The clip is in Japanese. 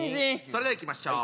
それではいきましょう！